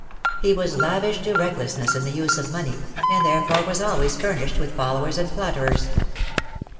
He was lavish to recklessness in the use of money, and therefore was always fur nished with followers and flatterers.